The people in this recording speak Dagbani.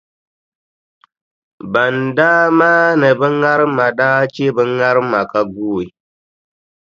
Ban daa maani bɛ ŋarima daa che bɛ ŋarima ka guui.